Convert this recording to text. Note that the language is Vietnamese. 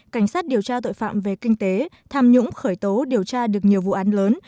cảnh sát điều tra tội phạm về kinh tế tham nhũng khởi tố điều tra được nhiều vụ án lớn